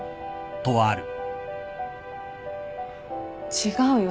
違うよ。